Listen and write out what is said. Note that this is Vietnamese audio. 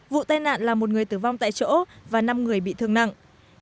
vụ tai nạn là một người tử vong tại chỗ và năm người bị thương nặng